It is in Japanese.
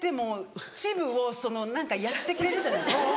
恥部をその何かやってくれるじゃないですか。